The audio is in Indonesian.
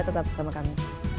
tetap bersama kami